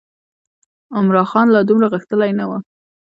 عمرا خان لا دومره غښتلی نه و.